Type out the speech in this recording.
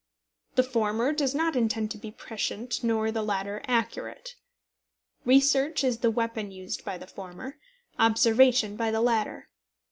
The former does not intend to be prescient, nor the latter accurate. Research is the weapon used by the former; observation by the latter.